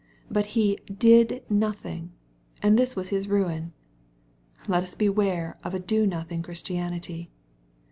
But he did notk ing — and this was his ruin. Let us beware of a do not _ Christianity.